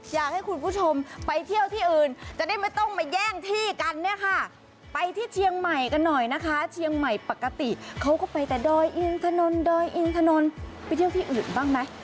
อยากให้คุณผู้ชมไปเที่ยวที่อื่นจะได้ไม่ต้องมาแย่งที่กันเนี่ยค่ะไปที่เชียงใหม่กันหน่อยนะคะเชียงใหม่ปกติเขาก็ไปแต่ดอยอินถนนดอยอินถนนไปเที่ยวที่อื่นบ้างไหม